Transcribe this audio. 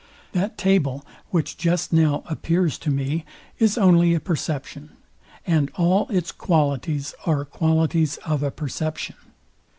That table, which just now appears to me, is only a perception, and all its qualities are qualities of a perception.